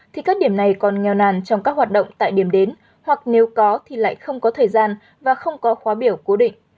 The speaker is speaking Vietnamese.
thì các điểm này còn nghèo nàn trong các hoạt động tại điểm đến hoặc nếu có thì lại không có thời gian và không có khóa biểu cố định